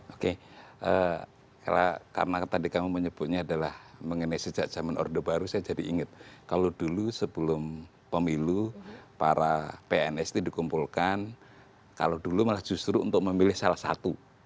oke karena tadi kamu menyebutnya adalah mengenai sejak zaman orde baru saya jadi ingat kalau dulu sebelum pemilu para pns ini dikumpulkan kalau dulu malah justru untuk memilih salah satu